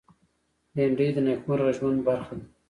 بېنډۍ د نېکمرغه ژوند برخه ده